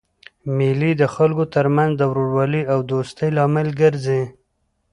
مېلې د خلکو ترمنځ د ورورولۍ او دوستۍ لامل ګرځي.